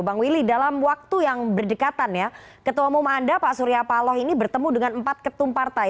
bang willy dalam waktu yang berdekatan ya ketua umum anda pak surya paloh ini bertemu dengan empat ketum partai